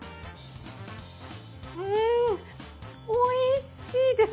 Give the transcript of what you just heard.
うんおいしいです